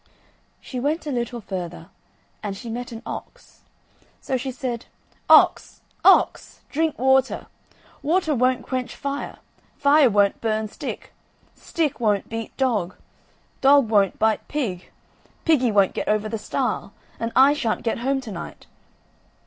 She went a little further, and she met an ox. So she said: "Ox! ox! drink water; water won't quench fire; fire won't burn stick; stick won't beat dog; dog won't bite pig; piggy won't get over the stile; and I shan't get home to night."